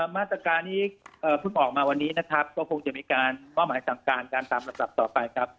มาตรการนี้เพิ่งออกมาวันนี้นะครับก็คงจะมีการมอบหมายสั่งการการตามระดับต่อไปครับ